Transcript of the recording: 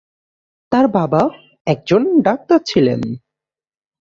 তার বাবা একজন ডাক্তার ছিলেন।